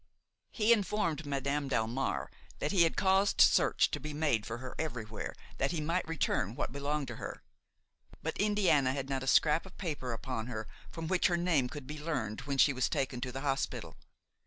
He informed Madame Delmare that he had caused search to be made for her everywhere, that he might return what belonged to her. But Indiana had not a scrap of paper upon her from which her name could be learned when she was taken to the hospital.